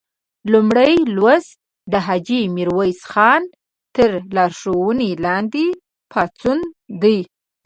لومړی لوست د حاجي میرویس خان تر لارښوونې لاندې پاڅون دی.